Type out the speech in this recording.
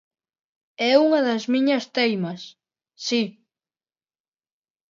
É unha das miñas teimas, si.